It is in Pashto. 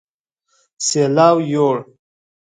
سېلاو يوړ